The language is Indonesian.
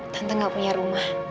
tante gak punya rumah